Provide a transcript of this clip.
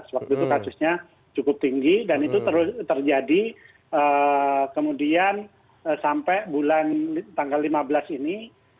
waktu itu kasusnya cukup tinggi dan itu terus terjadi kemudian sampai bulan tanggal lima belas ini